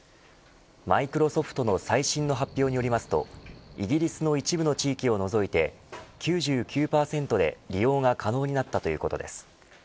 マイクロソフトの最新の発表によりますとイギリスの一部の地域を除いて９９％で利用が可能になったということです。